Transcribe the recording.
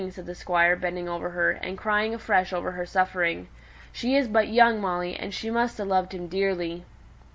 said the Squire, bending over her, and crying afresh over her suffering. "She is but young, Molly, and she must ha' loved him dearly."